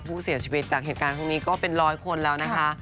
ผู้เสียชีวิตจากเหตุการณ์พวกนี้ก็เป็นร้อยคนแล้วนะคะ